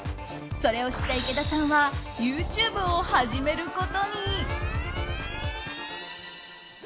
それを知った池田さんはＹｏｕＴｕｂｅを始めることに。